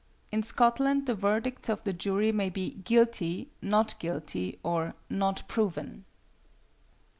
In Scotland the verdicts of the jury may be 'guilty,' 'not guilty,' or 'not proven.'